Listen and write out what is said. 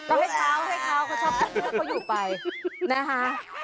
แล้วให้เขาเขาชอบเพื่อนเขาอยู่ไปนะฮะ